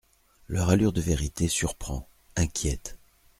Leur allure de vérité surprend, inquiète.